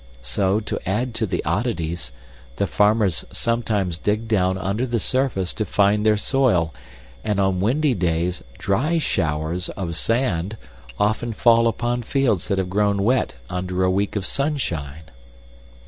So, to add to the oddities, the farmers sometimes dig down under the surface to find their soil, and on windy days DRY SHOWERS (of sand) often fall upon fields that have grown wet under a week of sunshine.